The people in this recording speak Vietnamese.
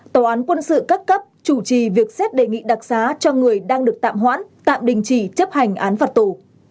tòa án quân sự các cấp chủ trì việc xét đề nghị đặc xá cho người đang được tạm hoãn tạm đình chỉ chấp hành án phạt tù